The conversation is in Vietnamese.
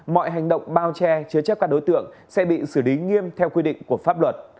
mọi hành động bao che chứa chấp các đối tượng sẽ bị xử lý nghiêm theo quy định của pháp luật